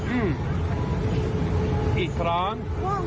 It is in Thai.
อีกครั้ง